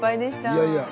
いやいや。